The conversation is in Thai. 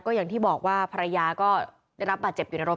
อย่างที่บอกว่าภรรยาก็ได้รับบาดเจ็บอยู่ในรถ